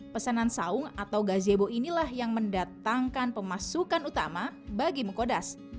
pesanan saung atau gazebo inilah yang mendatangkan pemasukan utama bagi mukodas